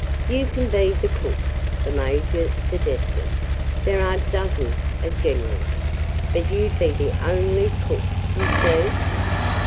"You can be the cook," the Major suggested. "There are dozens of generals; but you'd be the only cook, you see."